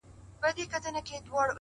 ستا د ښکلا په تصور کي یې تصویر ویده دی،